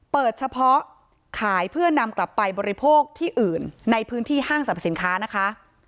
เปิดเฉพาะขายเพื่อนำกลับไปบริโภคที่อื่นในพื้นที่ห้างสรรพสินค้านะคะ